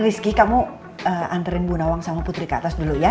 rizky kamu anterin bu nawang sama putri ke atas dulu ya